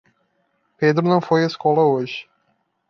Pedro não foi à escola hoje.